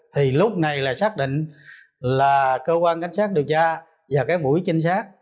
thì lúc này là xác định là cơ quan cánh sát điều tra và cái buổi chính xác